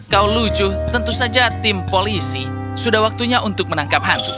kau lucu tentu saja tim polisi sudah waktunya untuk menangkap hati